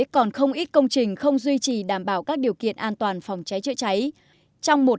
còn không ít công trình không duy trì đảm bảo các điều kiện an toàn phòng cháy chữa cháy trong một